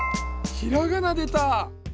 ひらがなでた！